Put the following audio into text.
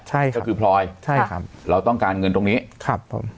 ใช่ค่ะก็คือพลอยใช่ครับเราต้องการเงินตรงนี้ครับผม